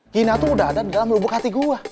gina tuh udah ada di dalam lubuk hati gue